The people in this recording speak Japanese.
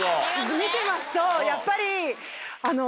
見てますとやっぱり。